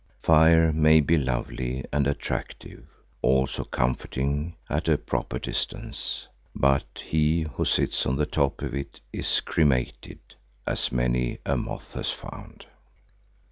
Fire may be lovely and attractive, also comforting at a proper distance, but he who sits on the top of it is cremated, as many a moth has found.